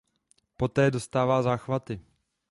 Poté dostává záchvaty.